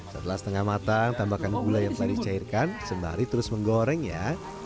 setelah setengah matang tambahkan gula yang telah dicairkan sembari terus menggoreng ya